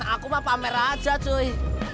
aku mah pamer aja cuy